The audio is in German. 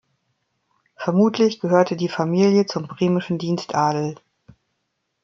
Vermutlich gehörte die Familie zum bremischen Dienstadel.